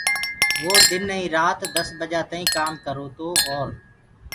وو دن ائيٚنٚ رآتيٚ دس بجآ تآئيٚنٚ ڪآم ڪررو تو اور